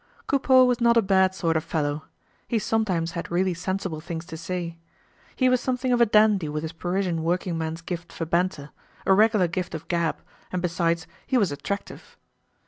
Coupeau was not a bad sort of fellow. He sometimes had really sensible things to say. He was something of a dandy with his Parisian working man's gift for banter, a regular gift of gab, and besides, he was attractive.